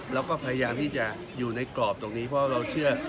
เราก็พยายามที่จะอยู่ในกรอบตรงนี้เพราะเราเชื่อ